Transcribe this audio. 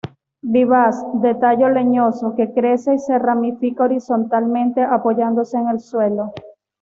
Vivaz, de tallo leñoso, que crece y se ramifica horizontalmente, apoyándose en el suelo.